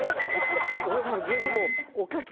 俺もう。